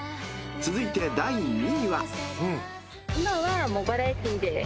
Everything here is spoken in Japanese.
［続いて第２位は］